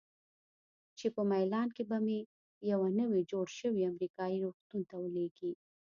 چې په میلان کې به مې یوه نوي جوړ شوي امریکایي روغتون ته ولیږي.